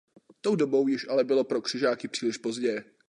Tou dobou již ale bylo pro křižáky příliš pozdě.